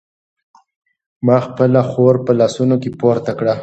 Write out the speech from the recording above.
ما خپله خور په لاسونو کې پورته کړه.